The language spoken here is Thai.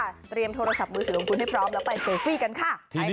เตรียมโทรศัพท์มือถือของคุณให้พร้อมแล้วไปเซลฟี่กันค่ะ